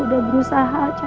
pak mau tanya pak